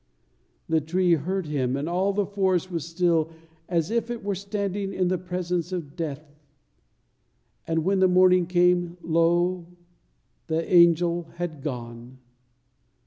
The tree heard Him, and all the forest was still, as if it were standing in the presence of death. And when the morning came, lo! the angel had gone.